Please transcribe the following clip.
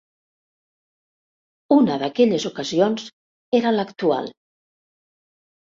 Una d'aquelles ocasions era l'actual.